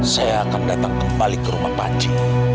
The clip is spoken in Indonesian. saya akan datang kembali ke rumah panci